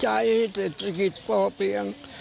เศรษฐกิจพอเพียง